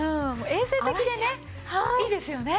衛生的でねいいですよね。